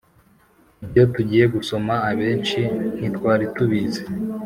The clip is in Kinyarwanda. ” ibyo tugiye gusoma, abenshi ntitwari tubizi: